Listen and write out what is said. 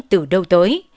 từ đâu tới